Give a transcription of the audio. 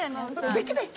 「できない！」。